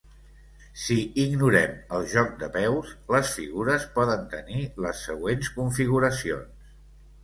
Si ignorem el joc de peus, les figures poden tenir les següents configuracions.